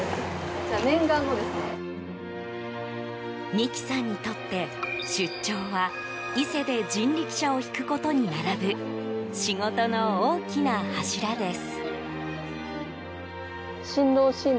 美希さんにとって出張は伊勢で人力車を引くことに並ぶ仕事の大きな柱です。